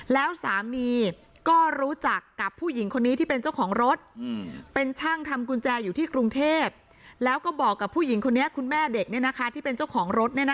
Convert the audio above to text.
แล้วสามีก็รู้จักกับผู้หญิงคนนี้ที่เป็นเจ้าของรถ